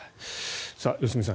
良純さん